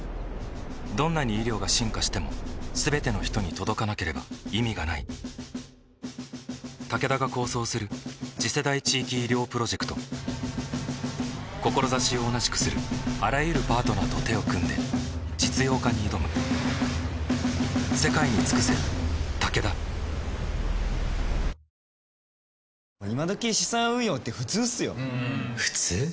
どんなに医療が進化しても全ての人に届かなければ意味がないタケダが構想する次世代地域医療プロジェクト志を同じくするあらゆるパートナーと手を組んで実用化に挑むよしこい！